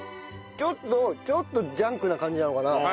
ちょっとちょっとジャンクな感じなのかな？